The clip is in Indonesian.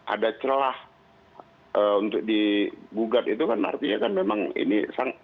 ada celah untuk digugat itu kan artinya kan memang ini